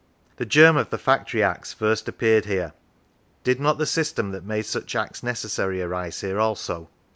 The germ of the Factory Acts first appeared here; did not the system that made such Acts necessary arise here also